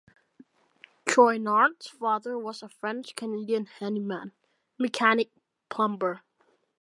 Chouinard's father was a French-Canadian handyman, mechanic, plumber.